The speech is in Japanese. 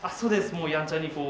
もうやんちゃにこう。